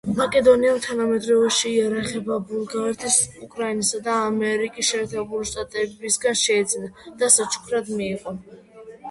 მაკედონიამ თანამედროვე შეიარაღება ბულგარეთის, უკრაინისა და ამერიკის შეერთებული შტატებისგან შეიძინა და საჩუქრად მიიღო.